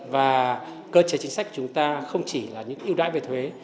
và cơ chế chính sách chúng ta không chỉ là những ưu đãi về thuế